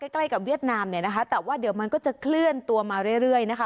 ใกล้กับเวียดนามเนี่ยนะคะแต่ว่าเดี๋ยวมันก็จะเคลื่อนตัวมาเรื่อยนะคะ